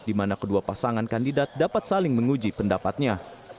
di mana kedua pasangan kandidat dapat saling menguji pendapatnya